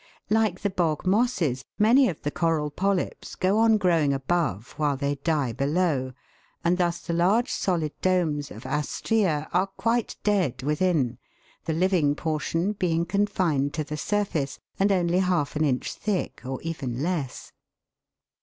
Like the bog mosses, many of the coral polyps go on growing above while they die below, and thus the large solid domes of Astrsea are quite dead within, the living portion being confined to the surface and only half an inch thick, or even less.